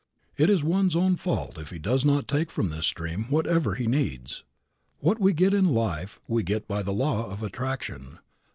It is one's own fault if he does not take from this stream whatever he needs. What we get in life we get by the law of attraction.